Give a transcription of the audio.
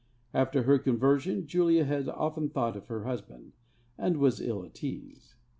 After her conversion Julia often thought of her husband, and was ill at ease.